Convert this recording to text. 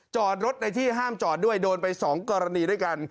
จอดรถในที่ห้ามจอดด้วยโดนไป๒กรณีด้วยกัน